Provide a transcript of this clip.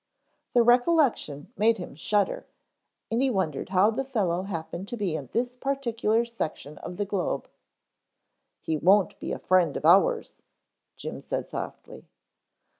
The recollection made him shudder and he wondered how the fellow happened to be in this particular section of the globe. "He won't be a friend of ours," Jim said softly.